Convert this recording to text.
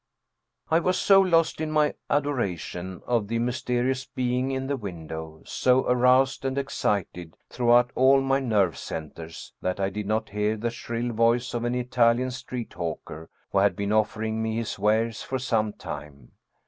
I was so lost in my adoration of the mysterious being in the window, so aroused and excited throughout all my nerve centers, that I did not hear the shrill voice of an Italian street hawker, who had been offering me his wares for some time.